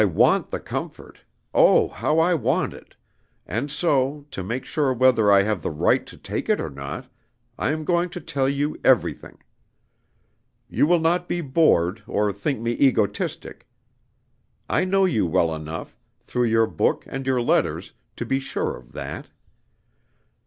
I want the comfort oh, how I want it! and so, to make sure whether I have the right to take it or not, I am going to tell you everything. You will not be bored, or think me egotistic. I know you well enough, through your book and your letters, to be sure of that.